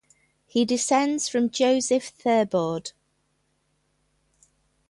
He descends from Joseph Thebaud.